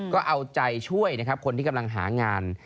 ก็เอาใจช่วยคนที่กำลังหางาน